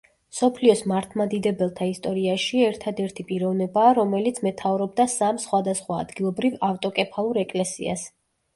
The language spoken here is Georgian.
მსოფლიოს მართლმადიდებელთა ისტორიაში ერთადერთი პიროვნებაა, რომელიც მეთაურობდა სამ სხვადასხვა ადგილობრივ ავტოკეფალურ ეკლესიას.